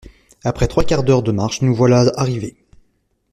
Après trois quarts d’heure de marche, nous voilà arrivés.